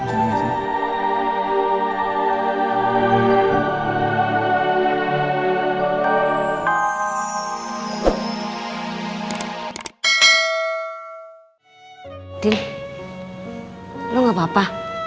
udah nangis ya